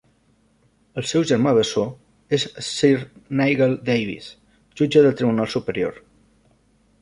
El seu germà bessó és Sir Nigel Davis, jutge del Tribunal Superior.